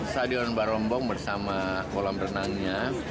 stadion barombong bersama kolam renangnya